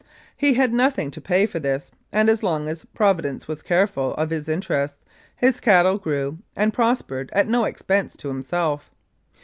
He had nothing to pay for this, and as long as Pro vidence was careful of his interests, his cattle grew and prospered at no expense to himself.